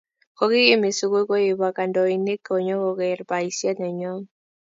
Kokikimii sukul ko kibwa kandoinik konyoko ker baisiet nenyon